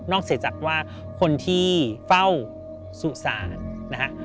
นอกเสียจากว่าคนที่เฝ้าสุสาน